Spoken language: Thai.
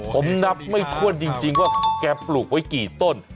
ผมนับไม่ถ้วนจริงว่าแกปลูกไว้กี่ต้น